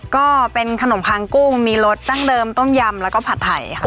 ก็เป็นขนมคางกุ้งมีรสดั้งเดิมต้มยำแล้วก็ผัดไทยค่ะ